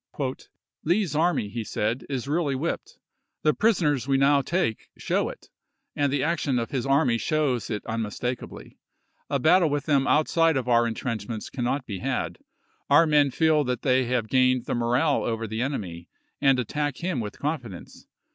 " Lee's army," he said, "is really whipped. The prisoners we now take show it, and the action of his army shows it un mistakably. A battle with them outside of in trenchments cannot be had. Our men feel that they have gained the morale over the enemy, and attack him with confidence.